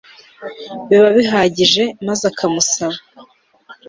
biba bihagije maze akamusaba